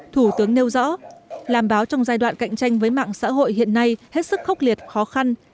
thủ tướng nêu rõ làm báo trong giai đoạn cạnh tranh với mạng xã hội hiện nay hết sức khốc liệt khó khăn